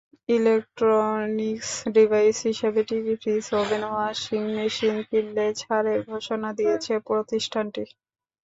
Electronics device হিসেবে TV, fridge, oven, washing machine কিনলে ছাড়ের ঘোষণা দিয়েছে প্রতিষ্ঠানটি।